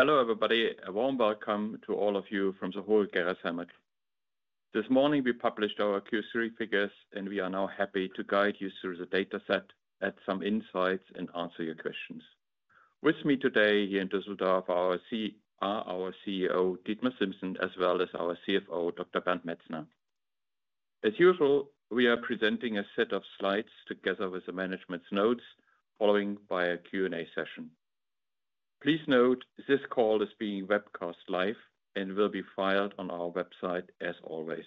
Hello everybody, a warm welcome to all of you from the whole Gerresheimer. This morning, we published our Q3 figures, and we are now happy to guide you through the data set, add some insights, and answer your questions. With me today here in Düsseldorf, our CEO, Dietmar Siemssen, as well as our CFO, Dr. Bernd Metzner. As usual, we are presenting a set of slides together with the management's notes, following by a Q&A session. Please note, this call is being webcast live and will be filed on our website as always.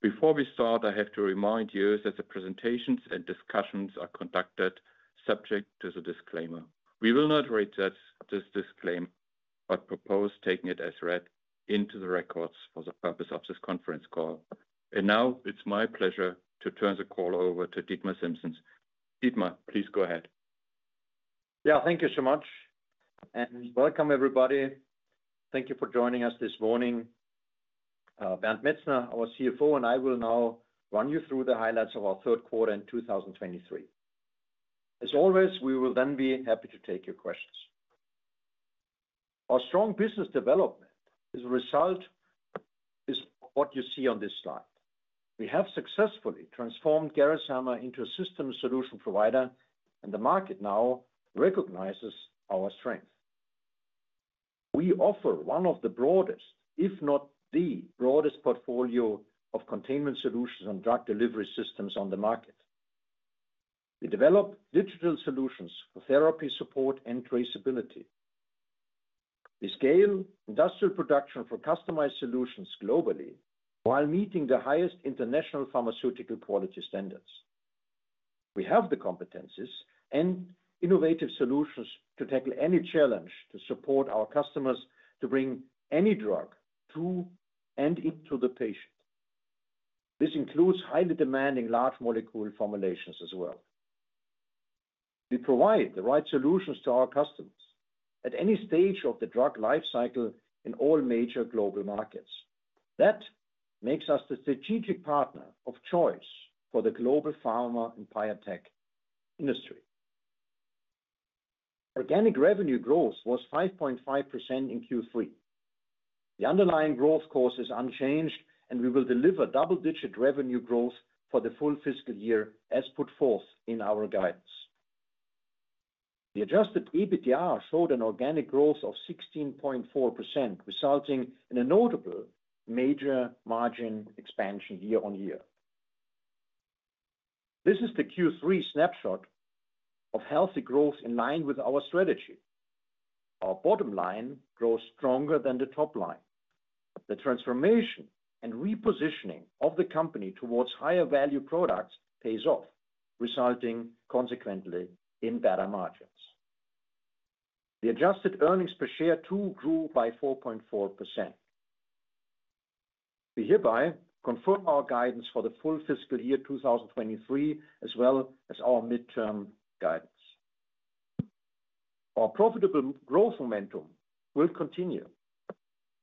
Before we start, I have to remind you that the presentations and discussions are conducted subject to the disclaimer. We will not read that, this disclaimer, but propose taking it as read into the records for the purpose of this conference call. Now it's my pleasure to turn the call over to Dietmar Siemssen. Dietmar, please go ahead. Yeah, thank you so much, and welcome, everybody. Thank you for joining us this morning. Bernd Metzner, our CFO, and I will now run you through the highlights of our third quarter in 2023. As always, we will then be happy to take your questions. Our strong business development, as a result, is what you see on this slide. We have successfully transformed Gerresheimer into a system solution provider, and the market now recognizes our strength. We offer one of the broadest, if not the broadest, portfolio of containment solutions and drug delivery systems on the market. We develop digital solutions for therapy support and traceability. We scale industrial production for customized solutions globally while meeting the highest international pharmaceutical quality standards. We have the competencies and innovative solutions to tackle any challenge to support our customers to bring any drug to and into the patient. This includes highly demanding large molecule formulations as well. We provide the right solutions to our customers at any stage of the drug life cycle in all major global markets. That makes us the strategic partner of choice for the global pharma and biotech industry. Organic revenue growth was 5.5% in Q3. The underlying growth course is unchanged, and we will deliver double-digit revenue growth for the full fiscal year as put forth in our guidance. The Adjusted EBITDA showed an organic growth of 16.4%, resulting in a notable major margin expansion year-on-year. This is the Q3 snapshot of healthy growth in line with our strategy. Our bottom line grows stronger than the top line. The transformation and repositioning of the company towards higher value products pays off, resulting consequently in better margins. The adjusted earnings per share too, grew by 4.4%. We hereby confirm our guidance for the full fiscal year 2023, as well as our midterm guidance. Our profitable growth momentum will continue.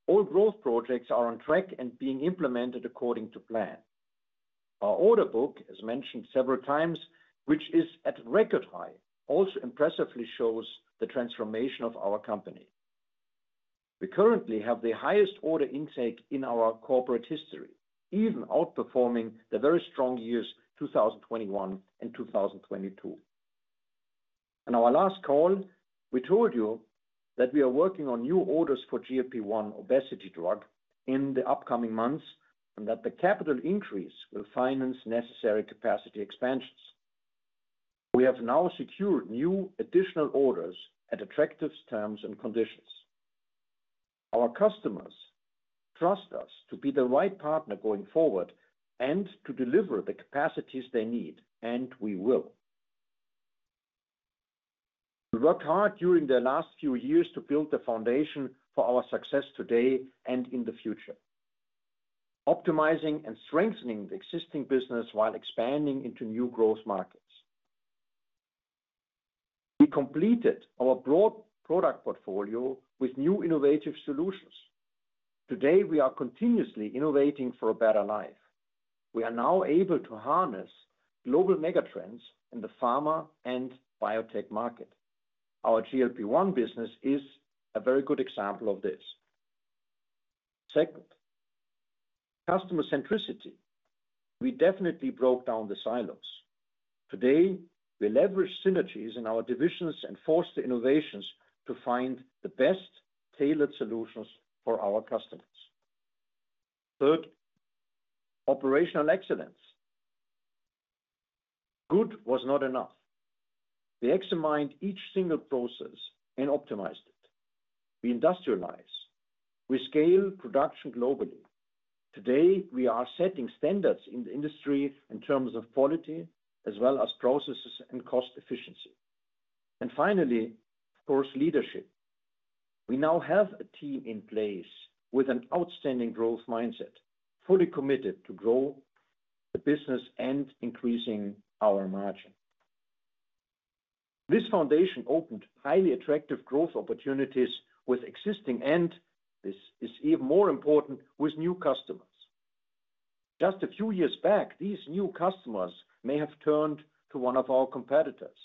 All growth projects are on track and being implemented according to plan. Our order book, as mentioned several times, which is at a record high, also impressively shows the transformation of our company. We currently have the highest order intake in our corporate history, even outperforming the very strong years, 2021 and 2022. In our last call, we told you that we are working on new orders for GLP-1 obesity drug in the upcoming months, and that the capital increase will finance necessary capacity expansions. We have now secured new additional orders at attractive terms and conditions. Our customers trust us to be the right partner going forward and to deliver the capacities they need, and we will. We worked hard during the last few years to build the foundation for our success today and in the future, optimizing and strengthening the existing business while expanding into new growth markets. We completed our broad product portfolio with new innovative solutions. Today, we are continuously innovating for a better life. We are now able to harness global megatrends in the pharma and biotech market. Our GLP-1 business is a very good example of this. Second, customer centricity. We definitely broke down the silos. Today, we leverage synergies in our divisions and foster innovations to find the best tailored solutions for our customers. Third, operational excellence. Good was not enough. We examined each single process and optimized it. We industrialize, we scale production globally. Today, we are setting standards in the industry in terms of quality as well as processes and cost efficiency. And finally, of course, leadership. We now have a team in place with an outstanding growth mindset, fully committed to grow the business and increasing our margin. This foundation opened highly attractive growth opportunities with existing, and this is even more important, with new customers.... Just a few years back, these new customers may have turned to one of our competitors,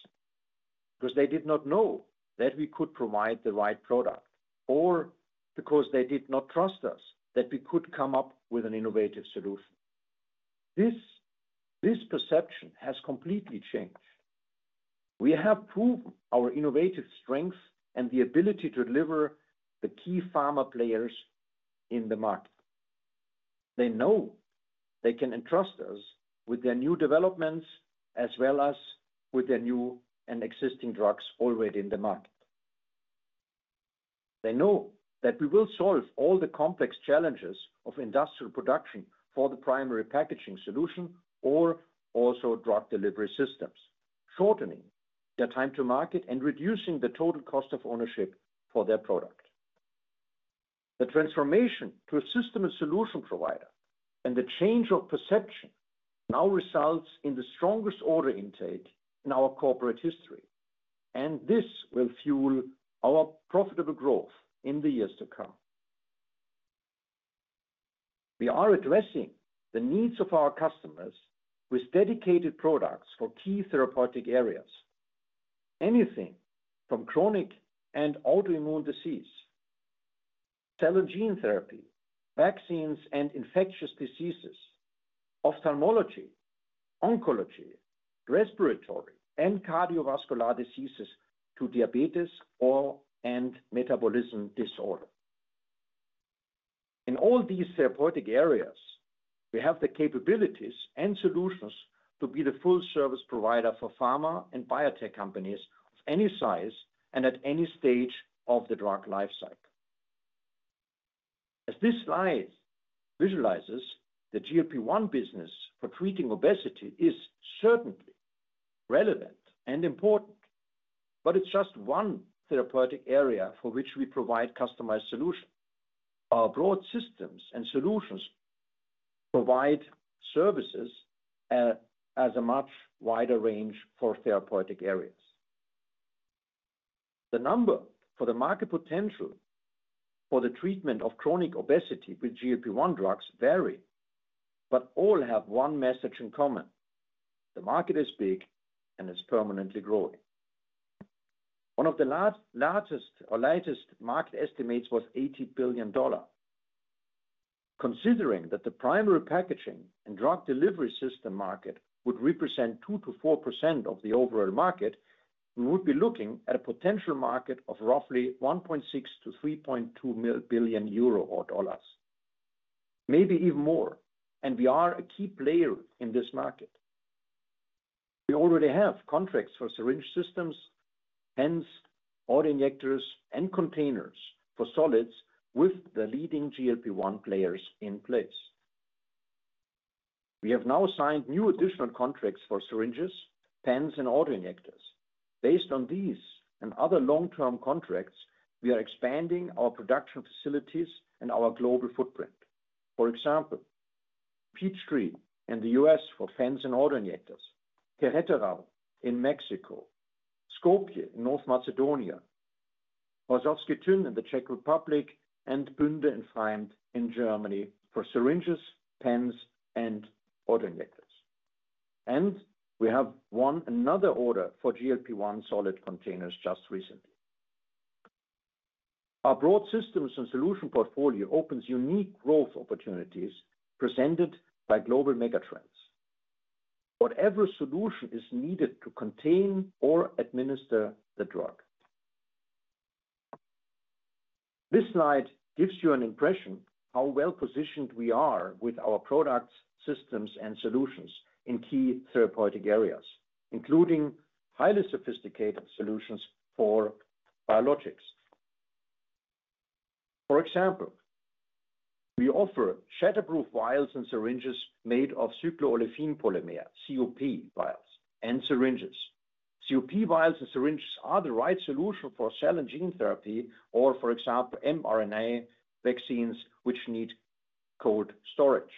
because they did not know that we could provide the right product, or because they did not trust us that we could come up with an innovative solution. This, this perception has completely changed. We have proven our innovative strength and the ability to deliver the key pharma players in the market. They know they can entrust us with their new developments, as well as with their new and existing drugs already in the market. They know that we will solve all the complex challenges of industrial production for the primary packaging solution, or also drug delivery systems, shortening their time to market and reducing the total cost of ownership for their product. The transformation to a system and solution provider, and the change of perception, now results in the strongest order intake in our corporate history, and this will fuel our profitable growth in the years to come. We are addressing the needs of our customers with dedicated products for key therapeutic areas. Anything from chronic and autoimmune disease, cell and gene therapy, vaccines and infectious diseases, ophthalmology, oncology, respiratory, and cardiovascular diseases, to diabetes or, and metabolism disorder. In all these therapeutic areas, we have the capabilities and solutions to be the full service provider for pharma and biotech companies of any size and at any stage of the drug life cycle. As this slide visualizes, the GLP-1 business for treating obesity is certainly relevant and important, but it's just one therapeutic area for which we provide customized solutions. Our broad systems and solutions provide services as a much wider range for therapeutic areas. The number for the market potential for the treatment of chronic obesity with GLP-1 drugs vary, but all have one message in common: the market is big and it's permanently growing. One of the largest or latest market estimates was EUR 80 billion. Considering that the primary packaging and drug delivery system market would represent 2%-4% of the overall market, we would be looking at a potential market of roughly 1.6 billion-3.2 billion euro or dollars, maybe even more, and we are a key player in this market. We already have contracts for syringe systems, hence autoinjectors and containers for solids with the leading GLP-1 players in place. We have now signed new additional contracts for syringes, pens, and autoinjectors. Based on these and other long-term contracts, we are expanding our production facilities and our global footprint. For example, Peachtree in the U.S. for pens and autoinjectors, Querétaro in Mexico, Skopje in North Macedonia, Horšovský Týn in the Czech Republic, and Bünde and Pfreimd in Germany for syringes, pens, and autoinjectors. We have won another order for GLP-1 solid containers just recently. Our broad systems and solution portfolio opens unique growth opportunities presented by global mega trends. Whatever solution is needed to contain or administer the drug. This slide gives you an impression of how well-positioned we are with our products, systems, and solutions in key therapeutic areas, including highly sophisticated solutions for biologics. For example, we offer shatterproof vials and syringes made of cyclo-olefin polymer, COP vials and syringes. COP vials and syringes are the right solution for cell and gene therapy, or for example, mRNA vaccines, which need cold storage.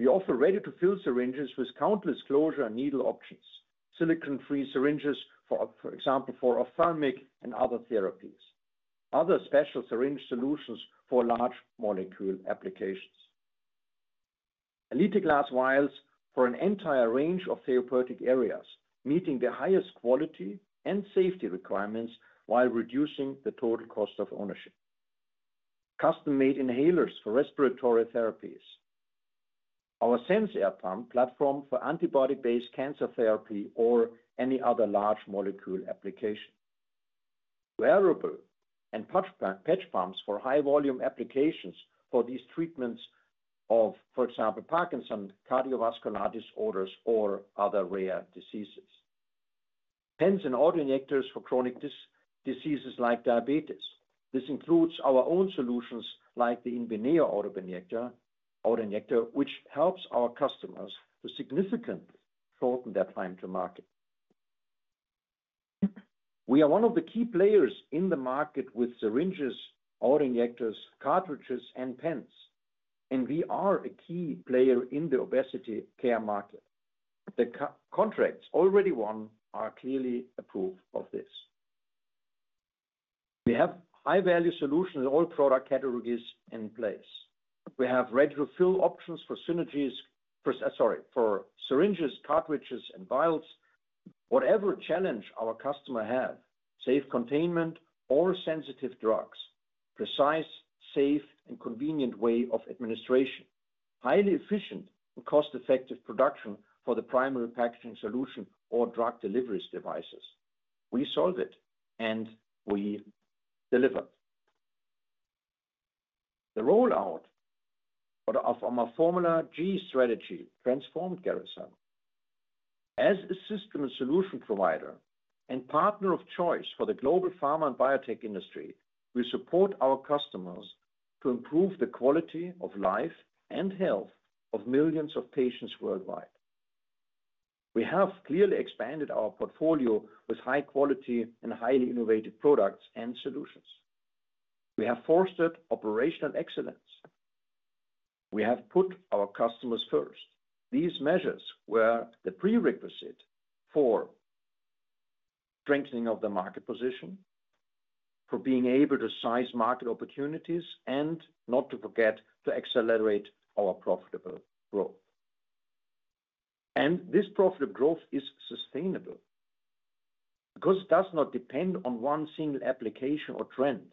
We offer ready-to-fill syringes with countless closure and needle options, silicone-free syringes, for example, for ophthalmic and other therapies. Other special syringe solutions for large molecule applications. Elite glass vials for an entire range of therapeutic areas, meeting the highest quality and safety requirements while reducing the total cost of ownership. Custom-made inhalers for respiratory therapies. Our SensAir pump platform for antibody-based cancer therapy or any other large molecule application. Wearable and patch pumps for high volume applications for these treatments of, for example, Parkinson, cardiovascular disorders, or other rare diseases. Pens and autoinjectors for chronic diseases like diabetes. This includes our own solutions, like the Inbeneo autoinjector, which helps our customers to significantly shorten their time to market. We are one of the key players in the market with syringes, autoinjectors, cartridges, and pens, and we are a key player in the obesity care market. The contracts already won are clearly a proof of this. We have high-value solutions in all product categories in place. We have ready-to-fill options for synergies, for, sorry, for syringes, cartridges, and vials. Whatever challenge our customer have, safe containment or sensitive drugs, precise, safe, and convenient way of administration, highly efficient and cost-effective production for the primary packaging solution or drug deliveries devices, we solve it, and we deliver. The rollout for the, of our formula g strategy transformed Gerresheimer. As a system and solution provider and partner of choice for the global pharma and biotech industry, we support our customers to improve the quality of life and health of millions of patients worldwide. We have clearly expanded our portfolio with high quality and highly innovative products and solutions. We have fostered operational excellence. We have put our customers first. These measures were the prerequisite for strengthening of the market position, for being able to size market opportunities, and not to forget, to accelerate our profitable growth. This profitable growth is sustainable because it does not depend on one single application or trend.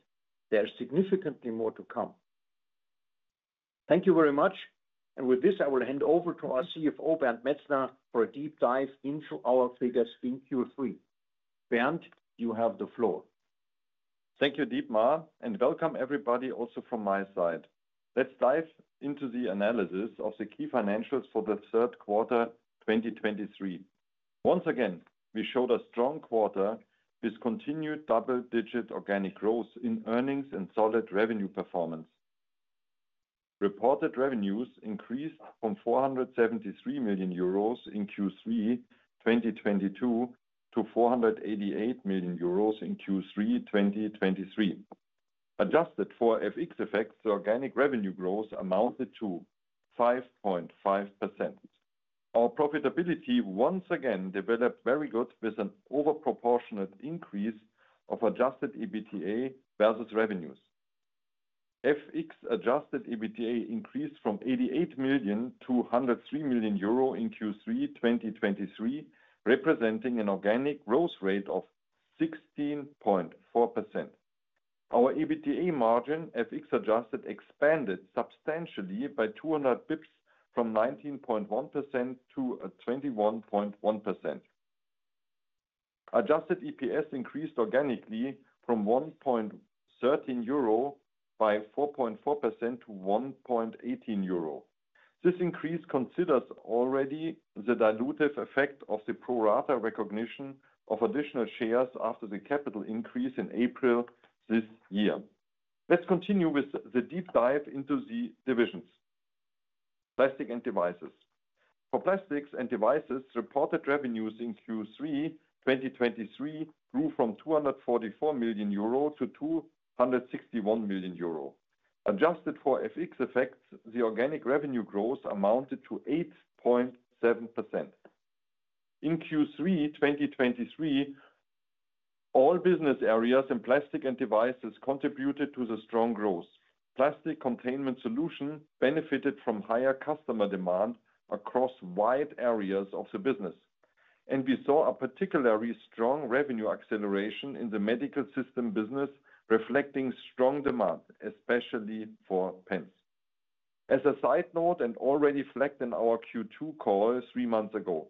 There is significantly more to come. Thank you very much, and with this, I will hand over to our CFO, Bernd Metzner, for a deep dive into our figures in Q3. Bernd, you have the floor. Thank you, Dietmar, and welcome, everybody, also from my side. Let's dive into the analysis of the key financials for the third quarter, 2023. Once again, we showed a strong quarter with continued double-digit organic growth in earnings and solid revenue performance. Reported revenues increased from 473 million euros in Q3 2022 to 488 million euros in Q3 2023. Adjusted for FX effects, the organic revenue growth amounted to 5.5%. Our profitability once again developed very good, with an over proportionate increase of adjusted EBITDA versus revenues. FX adjusted EBITDA increased from 88 million to 103 million euro in Q3 2023, representing an organic growth rate of 16.4%. Our EBITDA margin, FX adjusted, expanded substantially by 200 basis points from 19.1% to 21.1%. Adjusted EPS increased organically from 1.13 euro by 4.4% to 1.18 euro. This increase considers already the dilutive effect of the pro rata recognition of additional shares after the capital increase in April this year. Let's continue with the deep dive into the divisions. Plastics and Devices. For Plastics and Devices, reported revenues in Q3 2023 grew from 244 million euro to 261 million euro. Adjusted for FX effects, the organic revenue growth amounted to 8.7%. In Q3 2023, all business areas in Plastics and Devices contributed to the strong growth. Plastic containment solution benefited from higher customer demand across wide areas of the business, and we saw a particularly strong revenue acceleration in the Medical Systems business, reflecting strong demand, especially for pens. As a side note, and already flagged in our Q2 call three months ago,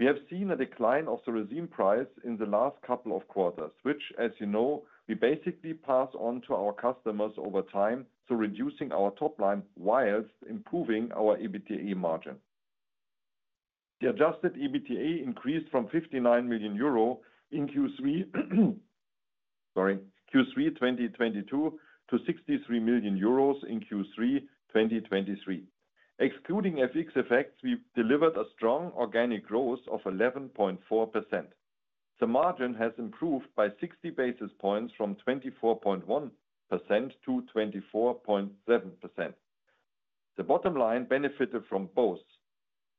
we have seen a decline of the resin price in the last couple of quarters, which, as you know, we basically pass on to our customers over time, so reducing our top line while improving our EBITDA margin. The adjusted EBITDA increased from 59 million euro in Q3, sorry, Q3 2022 to 63 million euros in Q3 2023. Excluding FX effects, we've delivered a strong organic growth of 11.4%. The margin has improved by 60 basis points, from 24.1% to 24.7%. The bottom line benefited from both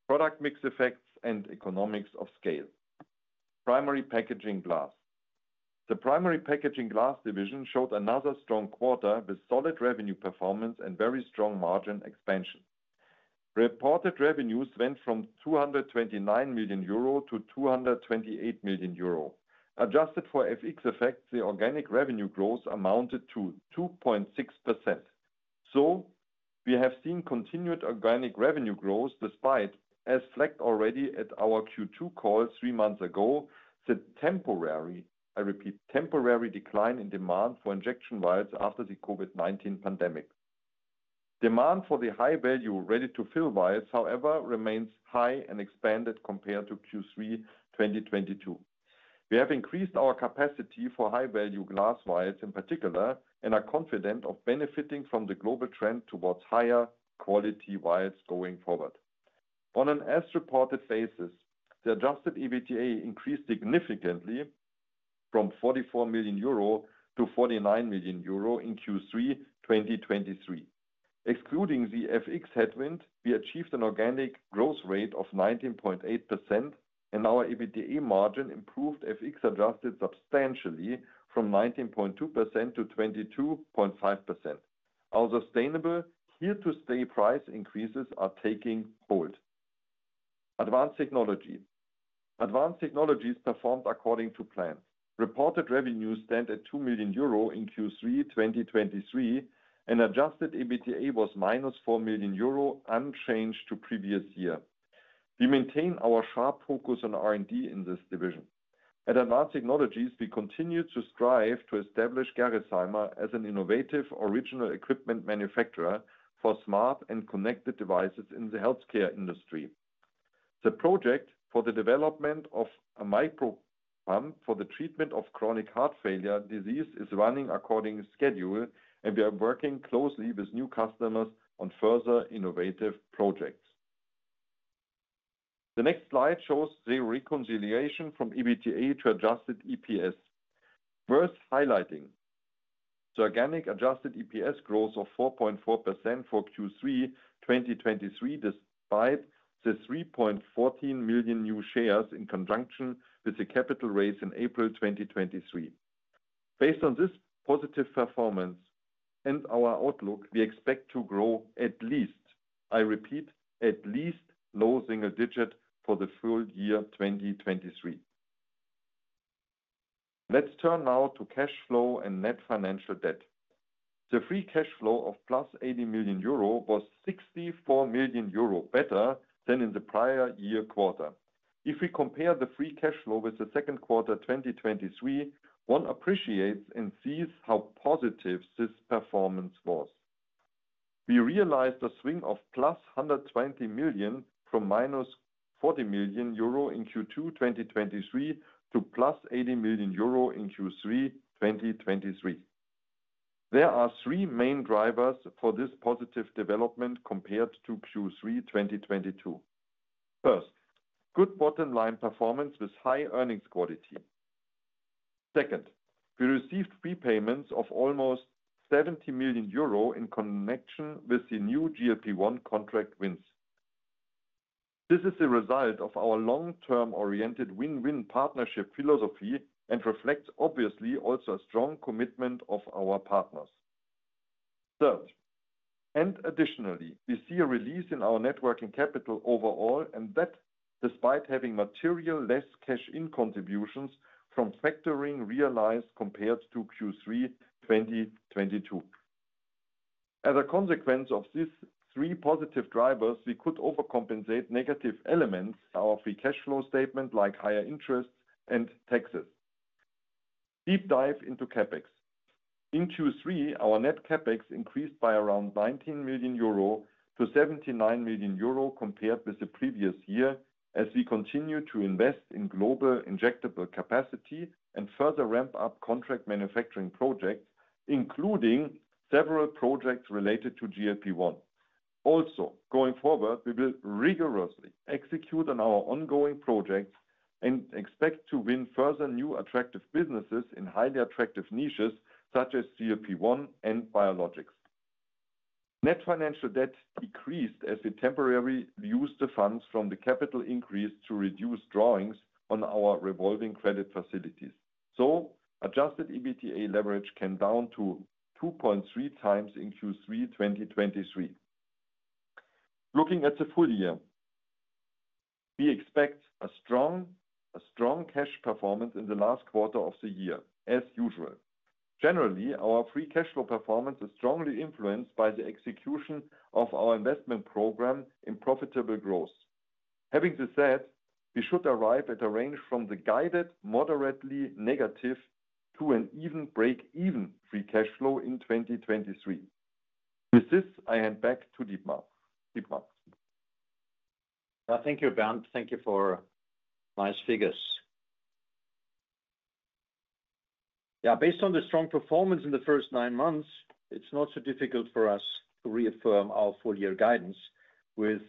product mix effects and economies of scale. Primary Packaging Glass. The Primary Packaging Glass division showed another strong quarter with solid revenue performance and very strong margin expansion. Reported revenues went from 229 million euro to 228 million euro. Adjusted for FX effects, the organic revenue growth amounted to 2.6%. So we have seen continued organic revenue growth, despite, as flagged already at our Q2 call three months ago, the temporary, I repeat, temporary decline in demand for injection vials after the COVID-19 pandemic. Demand for the high-value, ready-to-fill vials, however, remains high and expanded compared to Q3 2022. We have increased our capacity for high-value glass vials in particular, and are confident of benefiting from the global trend towards higher quality vials going forward. On an as-reported basis, the adjusted EBITDA increased significantly from 44 million euro to 49 million euro in Q3 2023. Excluding the FX headwind, we achieved an organic growth rate of 19.8%, and our EBITDA margin improved FX adjusted substantially from 19.2% to 22.5%. Our sustainable here to stay price increases are taking hold. Advanced Technologies performed according to plan. Reported revenues stand at 2 million euro in Q3 2023, and adjusted EBITDA was -4 million euro, unchanged to previous year. We maintain our sharp focus on R&D in this division. At Advanced Technologies, we continue to strive to establish Gerresheimer as an innovative original equipment manufacturer for smart and connected devices in the healthcare industry. The project for the development of a micro pump for the treatment of chronic heart failure disease is running according to schedule, and we are working closely with new customers on further innovative projects. The next slide shows the reconciliation from EBITDA to adjusted EPS. Worth highlighting, the organic adjusted EPS growth of 4.4% for Q3 2023, despite the 3.14 million new shares in conjunction with the capital raise in April 2023. Based on this positive performance and our outlook, we expect to grow at least, I repeat, at least low single-digit for the full year 2023. Let's turn now to cash flow and net financial debt. The free cash flow of +80 million euro was 64 million euro better than in the prior year quarter. If we compare the free cash flow with the second quarter 2023, one appreciates and sees how positive this performance was. We realized a swing of +120 million from -40 million euro in Q2 2023 to +80 million euro in Q3 2023. There are three main drivers for this positive development compared to Q3 2022. First, good bottom line performance with high earnings quality. Second, we received prepayments of almost 70 million euro in connection with the new GLP-1 contract wins. This is a result of our long-term oriented win-win partnership philosophy and reflects obviously, also a strong commitment of our partners. Third, and additionally, we see a release in our net working capital overall, and that despite having materially less cash in contributions from factoring realized compared to Q3 2022. As a consequence of these three positive drivers, we could overcompensate negative elements, our free cash flow statement, like higher interest and taxes. Deep dive into CapEx. In Q3, our net CapEx increased by around 19 million euro to 79 million euro compared with the previous year, as we continue to invest in global injectable capacity and further ramp up contract manufacturing projects, including several projects related to GLP-1. Also, going forward, we will rigorously execute on our ongoing projects and expect to win further new attractive businesses in highly attractive niches such as GLP-1 and biologics. Net financial debt decreased as we temporarily used the funds from the capital increase to reduce drawings on our revolving credit facilities. So adjusted EBITDA leverage came down to 2.3x in Q3 2023. Looking at the full year, we expect a strong cash performance in the last quarter of the year, as usual. Generally, our free cash flow performance is strongly influenced by the execution of our investment program in profitable growth. Having this said, we should arrive at a range from the guided, moderately negative to an even break-even free cash flow in 2023. With this, I hand back to Dietmar. Dietmar? Thank you, Bernd. Thank you for nice figures. Yeah, based on the strong performance in the first nine months, it's not so difficult for us to reaffirm our full year guidance with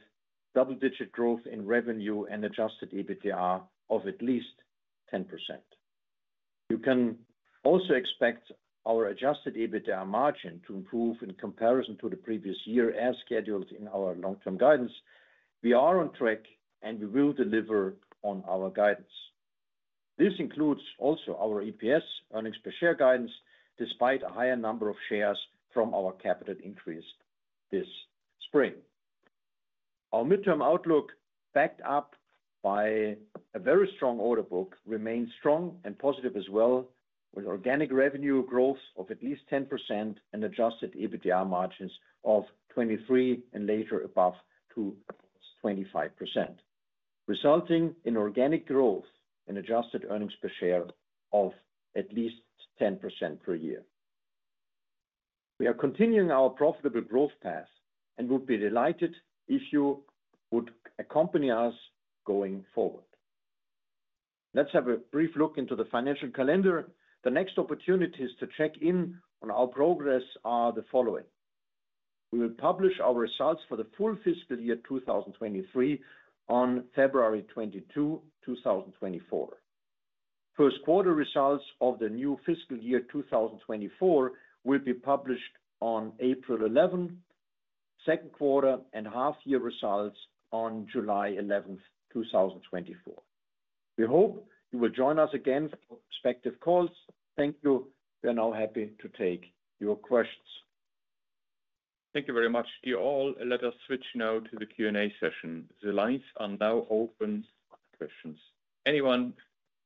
double-digit growth in revenue and Adjusted EBITDA of at least 10%. You can also expect our Adjusted EBITDA margin to improve in comparison to the previous year as scheduled in our long-term guidance. We are on track, and we will deliver on our guidance. This includes also our EPS, earnings per share guidance, despite a higher number of shares from our capital increase this spring. Our midterm outlook, backed up by a very strong order book, remains strong and positive as well, with organic revenue growth of at least 10% and adjusted EBITDA margins of 23% and later above to 25%, resulting in organic growth and adjusted earnings per share of at least 10% per year. We are continuing our profitable growth path and would be delighted if you would accompany us going forward. Let's have a brief look into the financial calendar. The next opportunities to check in on our progress are the following: We will publish our results for the full fiscal year 2023 on February 22, 2024. First quarter results of the new fiscal year 2024 will be published on April 11. Second quarter and half year results on July 11, 2024. We hope you will join us again for prospective calls. Thank you. We are now happy to take your questions. Thank you very much to you all, and let us switch now to the Q&A session. The lines are now open for questions. Anyone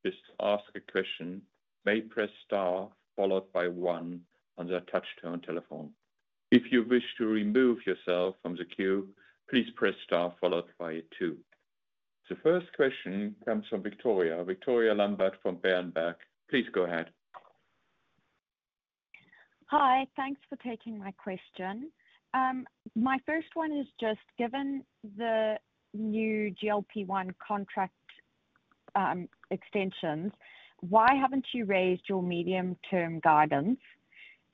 wish to ask a question may press star followed by one on their touchtone telephone. If you wish to remove yourself from the queue, please press star followed by two. The first question comes from Victoria. Victoria Lambert from Berenberg. Please go ahead. Hi, thanks for taking my question. My first one is just given the new GLP-1 contract, extensions, why haven't you raised your medium-term guidance?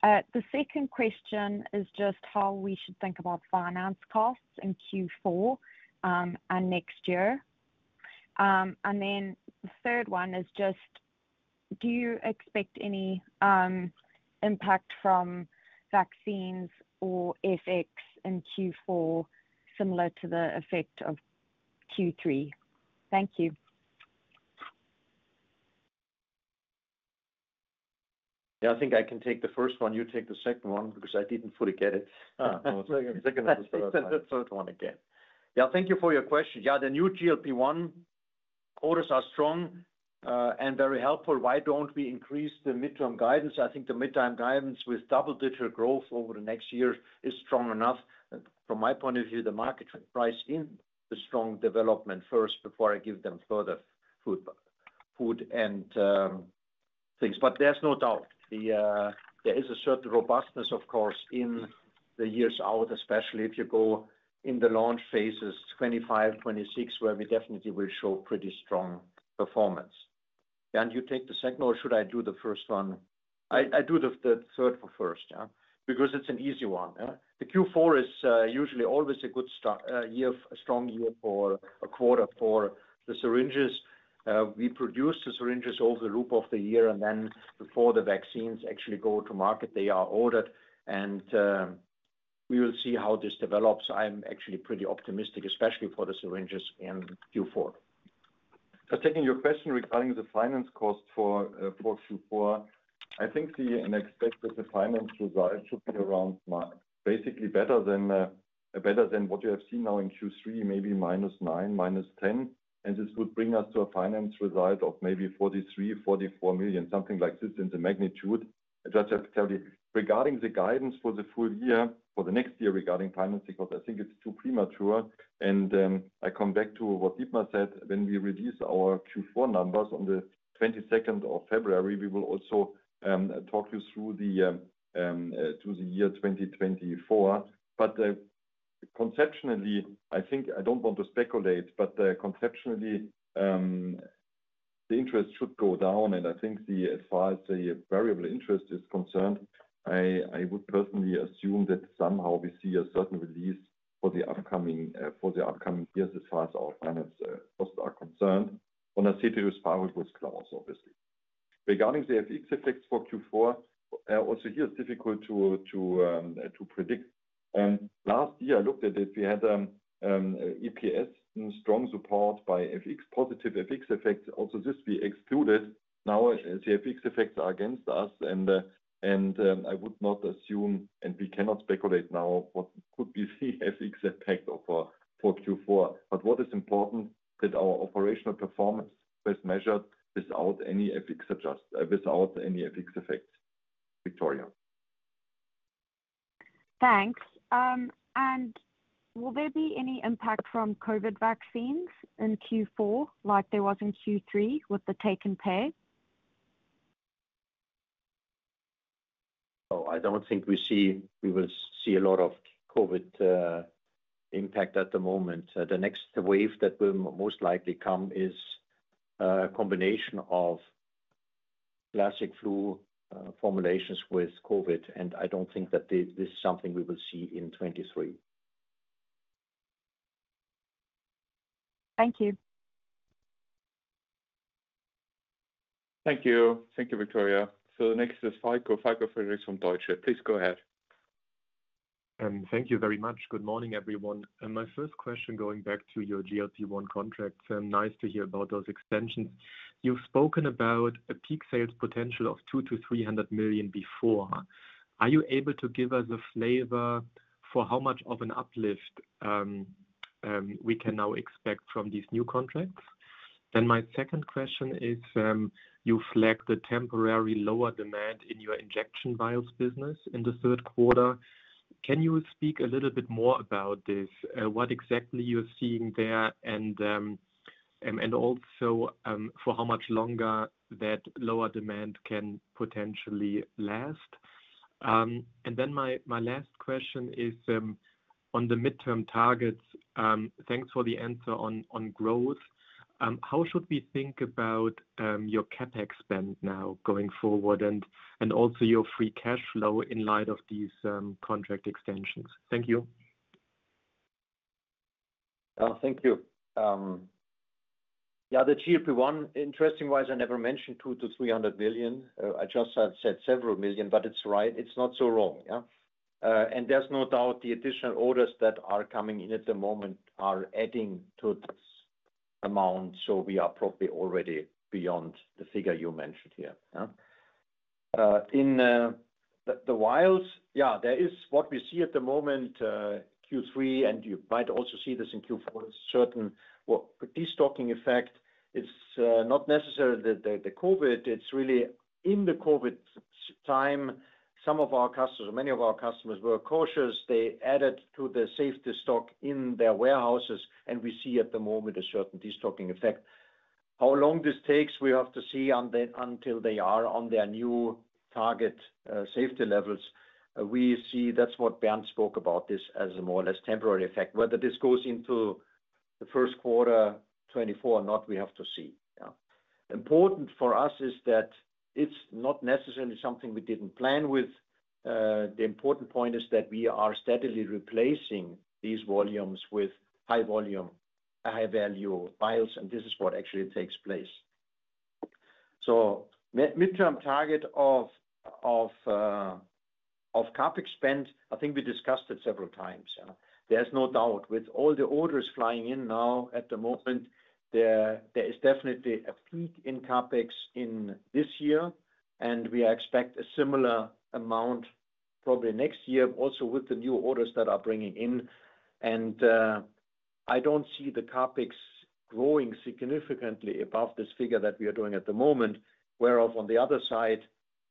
The second question is just how we should think about finance costs in Q4, and next year. And then the third one is just do you expect any impact from vaccines or FX in Q4 similar to the effect of Q3? Thank you. Yeah, I think I can take the first one. You take the second one, because I didn't fully get it. Second, second, the third one again. Yeah. Thank you for your question. Yeah, the new GLP-1 orders are strong and very helpful. Why don't we increase the midterm guidance? I think the midterm guidance with double-digit growth over the next year is strong enough. From my point of view, the market price in the strong development first before I give them further food, food and things. But there's no doubt the... There is a certain robustness, of course, in the years out, especially if you go in the launch phases, 25, 26, where we definitely will show pretty strong performance. Can you take the second or should I do the first one? I do the third first, yeah, because it's an easy one, yeah. The Q4 is usually always a good start, year - a strong year for a quarter for the syringes. We produce the syringes over the course of the year, and then before the vaccines actually go to market, they are ordered, and we will see how this develops. I'm actually pretty optimistic, especially for the syringes in Q4. So taking your question regarding the finance cost for Q4, I think and expect that the finance result should be around basically better than what you have seen now in Q3, maybe -9 to -10. And this would bring us to a finance result of maybe 43 million-44 million, something like this in the magnitude. I just have to tell you, regarding the guidance for the full year, for the next year regarding finance, because I think it's too premature, and I come back to what Dietmar said, when we reduce our Q4 numbers on the 22nd of February, we will also talk you through to the year 2024. But, conceptually, I think I don't want to speculate, but, conceptually, the interest should go down, and I think the, as far as the variable interest is concerned, I would personally assume that somehow we see a certain relief for the upcoming, for the upcoming years as far as our finance, costs are concerned, on a serious power with clause, obviously. Regarding the FX effects for Q4, also here it's difficult to predict. And last year, I looked at it, we had EPS in strong support by FX, positive FX effects. Also, this we excluded. Now, the FX effects are against us and, I would not assume, and we cannot speculate now what could be the FX impact of, for Q4. But what is important that our operational performance was measured without any FX adjustments, without any FX effects. Victoria. Thanks. Will there be any impact from COVID vaccines in Q4 like there was in Q3 with the take or pay? Oh, I don't think we will see a lot of COVID impact at the moment. The next wave that will most likely come is a combination of classic flu formulations with COVID, and I don't think that this is something we will see in 2023. Thank you. Thank you. Thank you, Victoria. So the next is Falko. Falko Friedrichs from Deutsche. Please go ahead. Thank you very much. Good morning, everyone. And my first question, going back to your GLP-1 contract, nice to hear about those extensions. You've spoken about a peak sales potential of 200 million-300 million before. Are you able to give us a flavor for how much of an uplift we can now expect from these new contracts? Then my second question is, you flagged the temporary lower demand in your injection vials business in the third quarter. Can you speak a little bit more about this? What exactly you're seeing there, and also, for how much longer that lower demand can potentially last? And then my last question is, on the midterm targets. Thanks for the answer on growth. How should we think about your CapEx spend now going forward and, and also your free cash flow in light of these contract extensions? Thank you. Oh, thank you. Yeah, the GLP-1, interestingly wise, I never mentioned $200 billion-$300 billion. I just said several million, but it's right. It's not so wrong. Yeah. And there's no doubt the additional orders that are coming in at the moment are adding to this amount, so we are probably already beyond the figure you mentioned here. Yeah. In the vials, yeah, there is what we see at the moment, Q3, and you might also see this in Q4, a certain, well, destocking effect. It's not necessarily the COVID, it's really in the COVID time, some of our customers or many of our customers were cautious. They added to the safety stock in their warehouses, and we see at the moment, a certain destocking effect. How long this takes, we have to see until they are on their new target safety levels. We see that's what Bernd spoke about this as a more or less temporary effect. Whether this goes into the first quarter 2024 or not, we have to see. Yeah. Important for us is that it's not necessarily something we didn't plan with. The important point is that we are steadily replacing these volumes with high volume, a high-value vials, and this is what actually takes place. So midterm target of CapEx spend, I think we discussed it several times. There's no doubt with all the orders flying in now at the moment, there is definitely a peak in CapEx in this year, and we expect a similar amount probably next year, also with the new orders that are bringing in. And, I don't see the CapEx growing significantly above this figure that we are doing at the moment, whereas on the other side,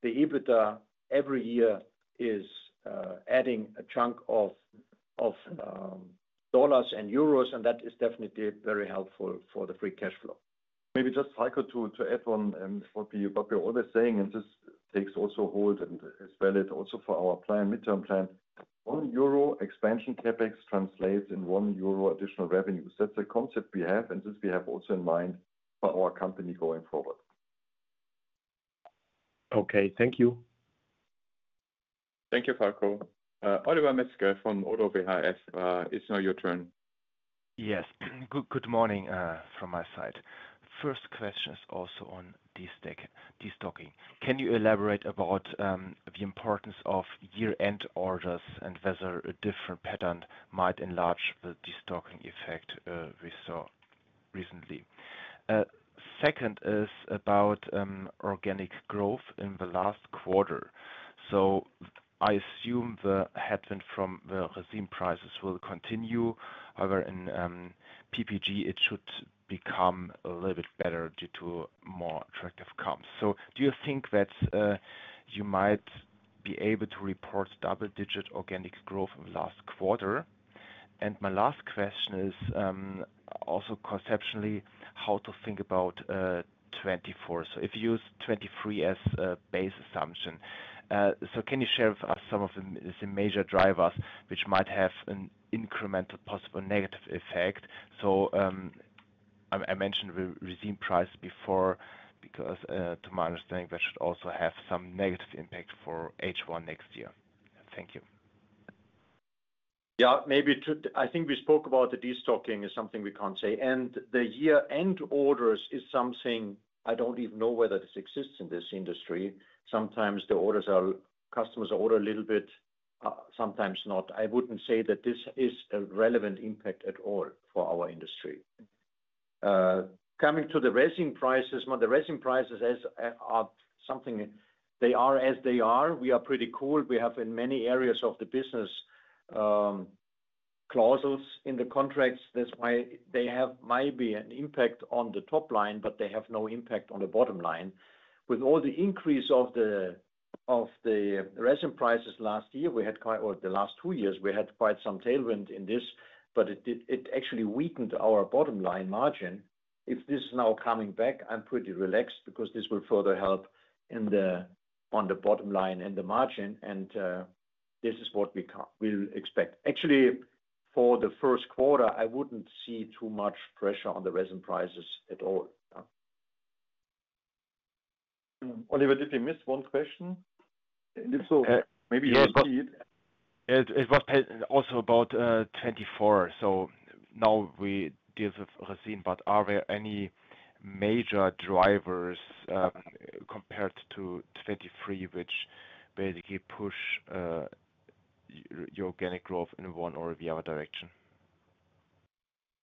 the EBITDA every year is adding a chunk of dollars and euros, and that is definitely very helpful for the free cash flow. Maybe just cycle to add on what we're always saying, and this takes also hold and is valid also for our plan, midterm plan. 1 euro expansion CapEx translates in 1 euro additional revenue. That's the concept we have, and this we have also in mind for our company going forward. Okay. Thank you. Thank you, Falko. Oliver Metzger from ODDO BHF, it's now your turn. Yes. Good morning from my side. First question is also on destocking. Can you elaborate about the importance of year-end orders and whether a different pattern might enlarge the destocking effect we saw recently? Second is about organic growth in the last quarter. So I assume the headwind from the resin prices will continue. However, in PPG, it should become a little bit better due to more attractive comps. So do you think that you might be able to report double-digit organic growth last quarter? And my last question is also conceptually, how to think about 2024. So if you use 2023 as a base assumption, so can you share with us some of the major drivers which might have an incremental possible negative effect? I mentioned resin price before because, to my understanding, that should also have some negative impact for H1 next year. Thank you. Yeah, maybe I think we spoke about the destocking is something we can't say, and the year-end orders is something I don't even know whether this exists in this industry. Sometimes the orders are customers order a little bit, sometimes not. I wouldn't say that this is a relevant impact at all for our industry. Coming to the resin prices, well, the resin prices are something, they are as they are. We are pretty cool. We have in many areas of the business clauses in the contracts. That's why there might be an impact on the top line, but they have no impact on the bottom line. With all the increase of the resin prices last year, we had quite over the last two years, we had quite some tailwind in this, but it actually weakened our bottom line margin. If this is now coming back, I'm pretty relaxed because this will further help on the bottom line and the margin, and this is what we'll expect. Actually, for the first quarter, I wouldn't see too much pressure on the resin prices at all. Oliver, did we miss one question? If so, maybe you repeat it. It was also about 2024. So now we deal with resin, but are there any major drivers, compared to 2023, which basically push your organic growth in one or the other direction?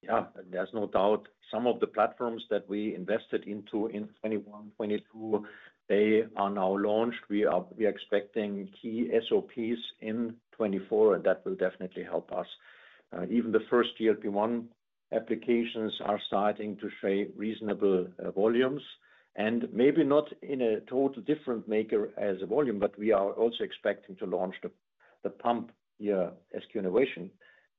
Yeah, there's no doubt some of the platforms that we invested into in 2021, 2022, they are now launched. We are expecting key SOPs in 2024, and that will definitely help us. Even the first GLP-1 applications are starting to show reasonable volumes, and maybe not in a totally different magnitude as a volume, but we are also expecting to launch the pump, our SensAir innovation,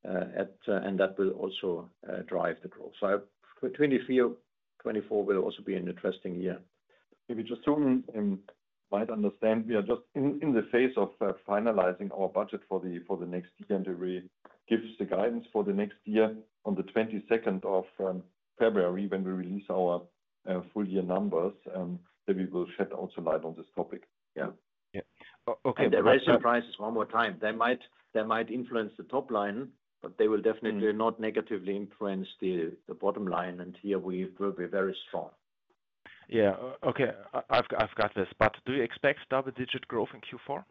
and that will also drive the growth. So for 2023, 2024 will also be an interesting year. Maybe just so, might understand, we are just in the phase of finalizing our budget for the next year, and we give the guidance for the next year on the twenty-second of February, when we release our full year numbers, then we will shed also light on this topic. Yeah. Yeah. Okay, the rising prices one more time, they might, they might influence the top line, but they will definitely not negatively influence the, the bottom line, and here we will be very strong. Yeah. Okay, I've got this, but do you expect double-digit growth in Q4?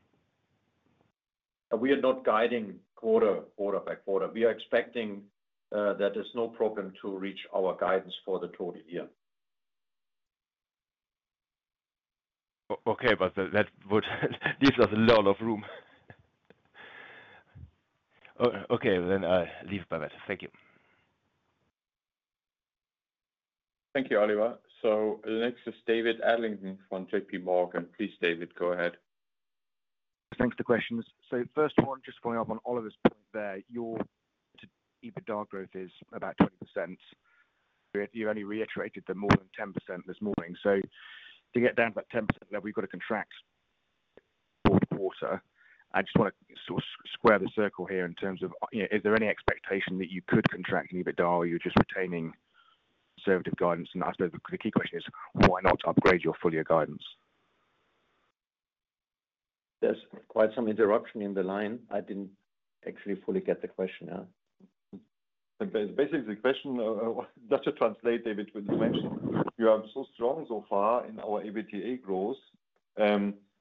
We are not guiding quarter by quarter. We are expecting that there's no problem to reach our guidance for the total year. Okay, but that would give us a lot of room. Okay, then I leave it at that. Thank you. Thank you, Oliver. So next is David Adlington from JPMorgan. Please, David, go ahead. Thanks for the questions. So first of all, just following up on Oliver's point there, your EBITDA growth is about 20%. You only reiterated the more than 10% this morning. So to get down to that 10% level, you've got to contract fourth quarter. I just want to sort of square the circle here in terms of, you know, is there any expectation that you could contract EBITDA, or you're just retaining conservative guidance? And I suppose the key question is, why not upgrade your full year guidance? There's quite some interruption in the line. I didn't actually fully get the question, yeah. But basically, the question, just to translate, David, when you mentioned you are so strong so far in our EBITDA growth,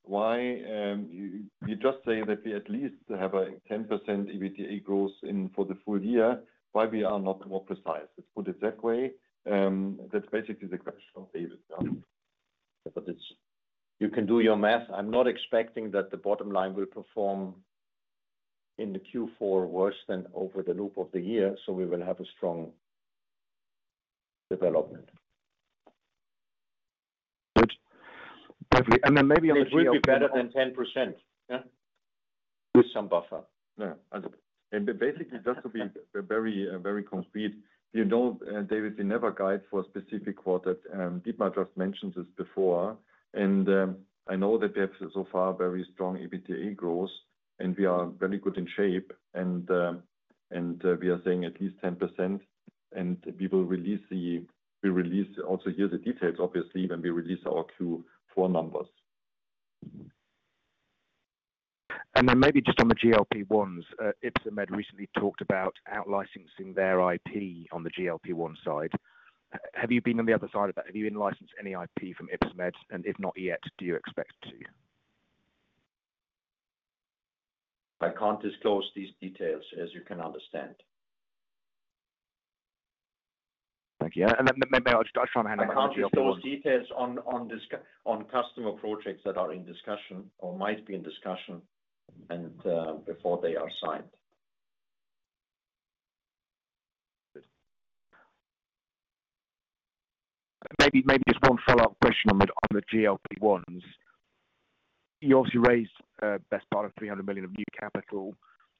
why, you, you just say that we at least have a 10% EBITDA growth in—for the full year, why we are not more precise? Let's put it that way, that's basically the question of David. You can do your math. I'm not expecting that the bottom line will perform in the Q4 worse than over the loop of the year, so we will have a strong development. And then maybe on the- It will be better than 10%, yeah? With some buffer. Yeah, and, and basically, just to be very, very complete, you know, David, we never guide for a specific quarter. Dietmar just mentioned this before, and, I know that we have so far very strong EBITDA growth, and we are very good in shape, and, and we are saying at least 10%, and we will release the-- we release also here the details, obviously, when we release our Q4 numbers. Mm-hmm. And then maybe just on the GLP-1s, Ypsomed recently talked about out licensing their IP on the GLP-1 side. Have you been on the other side of that? Have you in-licensed any IP from Ypsomed, and if not yet, do you expect to? I can't disclose these details, as you can understand. Thank you. And then, maybe I'll just try and hand over- I can't disclose details on customer projects that are in discussion or might be in discussion and before they are signed. Maybe, maybe just one follow-up question on the, on the GLP-1s. You also raised, best part of 300 million of new capital,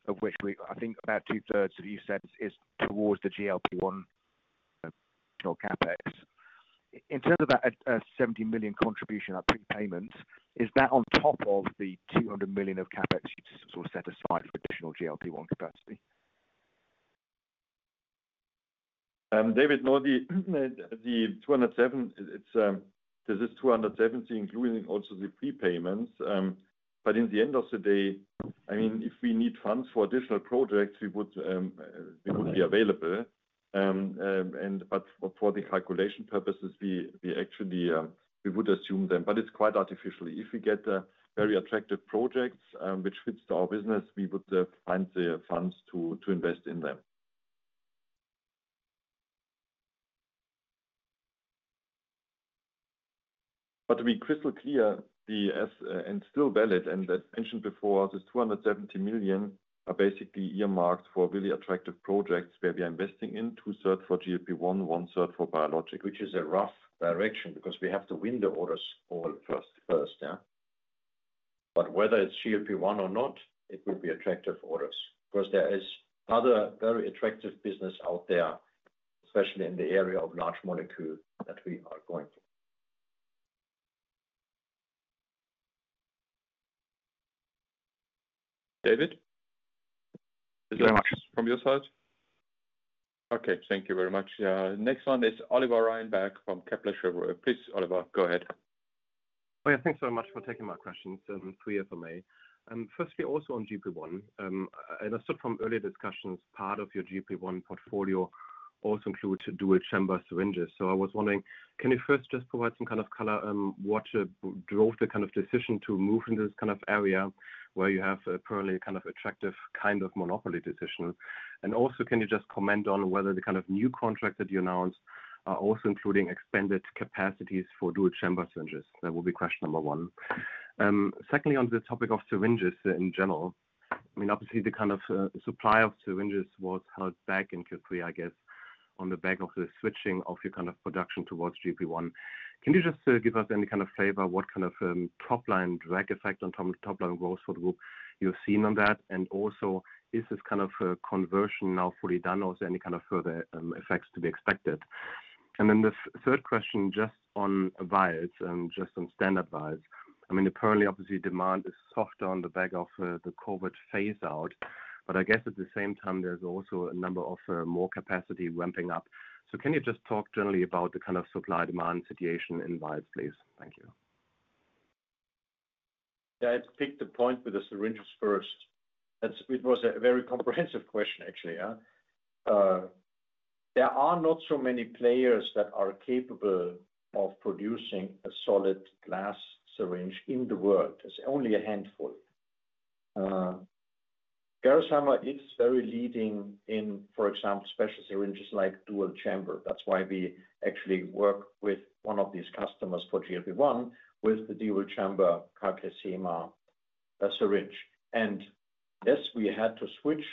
of which we-- I think about two-thirds of you said is towards the GLP-1 CapEx. In terms of that, seventy million contribution, I think payment, is that on top of the 200 million of CapEx you sort of set aside for additional GLP-1 capacity? David, no, the 270 million, it's this is 270 million, including also the prepayments. But in the end of the day, I mean, if we need funds for additional projects, we would, it would be available. But for the calculation purposes, we actually we would assume them, but it's quite artificially. If we get a very attractive projects, which fits our business, we would find the funds to invest in them. But to be crystal clear, the cap is still valid, and as mentioned before, this 270 million are basically earmarked for really attractive projects where we are investing in 2/3 for GLP-1, 1/3 for biologics. Which is a rough direction because we have to win the orders all first, yeah? But whether it's GLP-1 or not, it will be attractive orders, because there is other very attractive business out there, especially in the area of large molecule that we are going for. David? Yeah. Is that from your side? Okay, thank you very much. Next one is Oliver Reinberg from Kepler Cheuvreux. Please, Oliver, go ahead. Oh, yeah, thanks so much for taking my questions, and three FMA. Firstly, also on GLP-1, and I saw from earlier discussions, part of your GLP-1 portfolio also includes dual chamber syringes. So I was wondering, can you first just provide some kind of color on what drove the kind of decision to move in this kind of area where you have apparently a kind of attractive kind of monopoly decision? And also, can you just comment on whether the kind of new contract that you announced are also including expanded capacities for dual chamber syringes? That will be question number one. Secondly, on the topic of syringes in general, I mean, obviously the kind of supply of syringes was held back in Q3, I guess, on the back of the switching of your kind of production towards GLP-1. Can you just give us any kind of flavor, what kind of top line drag effect on top line growth for the group you've seen on that? And also, is this kind of conversion now fully done, or is there any kind of further effects to be expected? And then the third question, just on vials, just on standard vials. I mean, apparently, obviously, demand is softer on the back of the COVID phase out, but I guess at the same time, there's also a number of more capacity ramping up. So can you just talk generally about the kind of supply-demand situation in vials, please? Thank you. Yeah, I'd pick the point with the syringes first. That's. It was a very comprehensive question, actually, huh? There are not so many players that are capable of producing a solid glass syringe in the world. There's only a handful. Gerresheimer is very leading in, for example, specialty syringes like dual chamber. That's why we actually work with one of these customers for GLP-1, with the dual chamber CagriSema syringe. And yes, we had to switch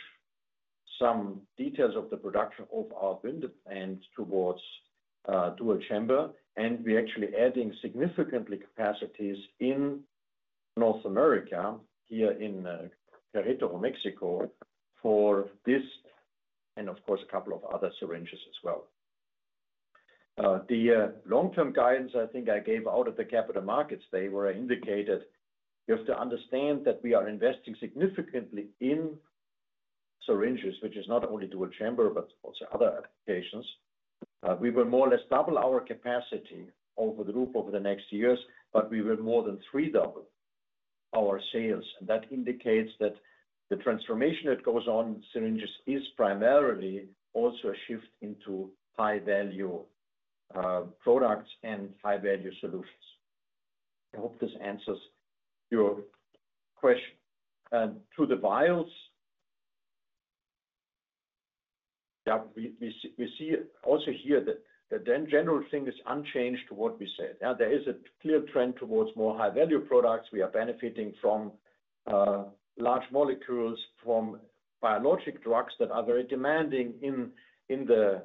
some details of the production of our window and towards dual chamber, and we're actually adding significantly capacities in North America, here in Querétaro, Mexico, for this, and of course, a couple of other syringes as well. The long-term guidance, I think I gave out at the capital markets, they were indicated. You have to understand that we are investing significantly in syringes, which is not only dual chamber, but also other applications. We will more or less double our capacity over the group over the next years, but we will more than triple our sales, and that indicates that the transformation that goes on in syringes is primarily also a shift into high-value products and high-value solutions. I hope this answers your question. And to the vials, yeah, we see also here that the general thing is unchanged to what we said. Now, there is a clear trend towards more high-value products. We are benefiting from large molecules, from biologic drugs that are very demanding in the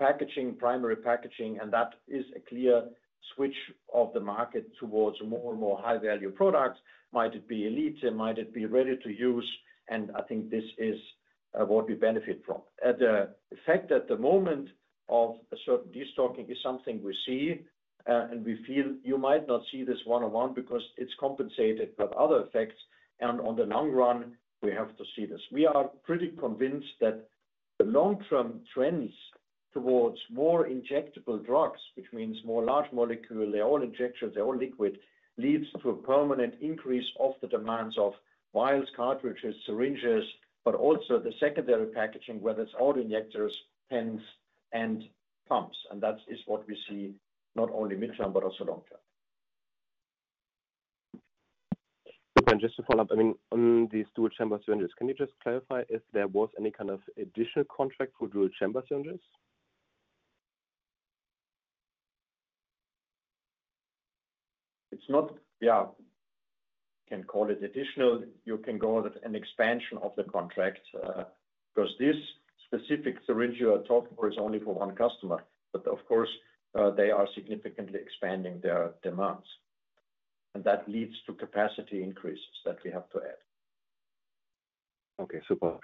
packaging, primary packaging, and that is a clear switch of the market towards more and more high-value products. Might it be Elite, and might it be ready-to-use, and I think this is what we benefit from. At the effect at the moment of a certain destocking is something we see, and we feel you might not see this one-on-one because it's compensated by other effects, and on the long run, we have to see this. We are pretty convinced that the long-term trends towards more injectable drugs, which means more large molecule, they're all injections, they're all liquid, leads to a permanent increase of the demands of vials, cartridges, syringes, but also the secondary packaging, whether it's autoinjectors, pens, and pumps, and that is what we see, not only midterm but also long term. Just to follow up, I mean, on these dual chamber syringes, can you just clarify if there was any kind of additional contract for dual chamber syringes? It's not. Yeah, you can call it additional. You can call it an expansion of the contract, because this specific syringe you are talking for is only for one customer, but of course, they are significantly expanding their demands, and that leads to capacity increases that we have to add. Okay, super.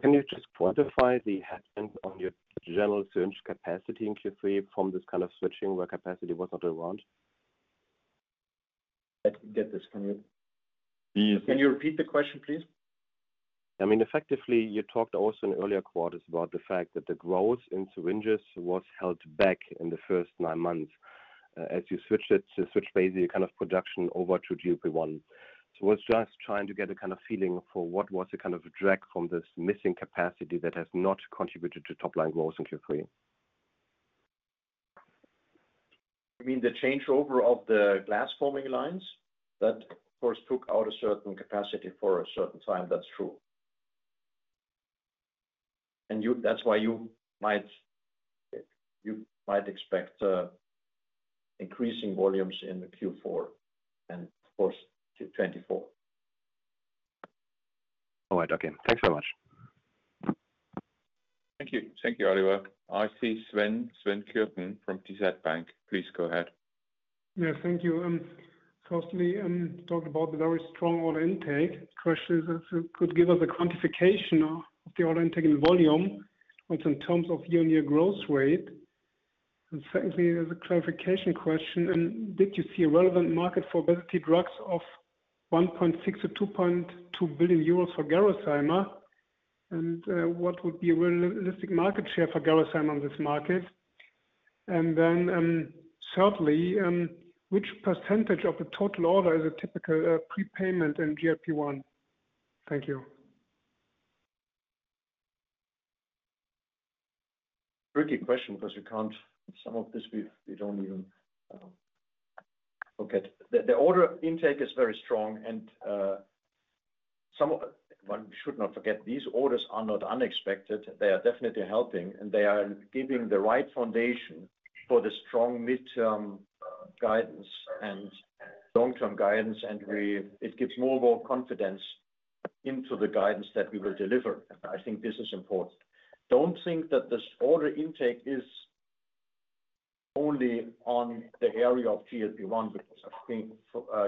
Can you just quantify the impact on your general syringe capacity in Q3 from this kind of switching, where capacity was not around? I didn't get this. Can you- Yes. Can you repeat the question, please? I mean, effectively, you talked also in earlier quarters about the fact that the growth in syringes was held back in the first nine months. As you switched basically, kind of, production over to GLP-1. So I was just trying to get a kind of feeling for what was the kind of drag from this missing capacity that has not contributed to top-line growth in Q3. You mean the changeover of the glass-forming lines? That first took out a certain capacity for a certain time. That's true. And you-- That's why you might, you might expect, increasing volumes in the Q4 and of course, to 2024. All right, okay. Thanks so much. Thank you. Thank you, Oliver. I see Sven, Sven Kürten from DZ Bank. Please go ahead. Yeah, thank you. Firstly, talk about the very strong order intake. First, if you could give us a quantification of the order intake and volume, both in terms of year-on-year growth rate. And secondly, as a clarification question, and did you see a relevant market for obesity drugs of 1.6 billion or 2.2 billion euros for Gerresheimer? And what would be a realistic market share for Gerresheimer on this market? And then, thirdly, which percentage of the total order is a typical prepayment in GLP-1? Thank you. Tricky question, because you can't—some of this we don't even look at. The order intake is very strong and some of—one should not forget, these orders are not unexpected. They are definitely helping, and they are giving the right foundation for the strong midterm guidance and long-term guidance, and it gives more and more confidence into the guidance that we will deliver. I think this is important. Don't think that this order intake is only on the area of GLP-1, because I think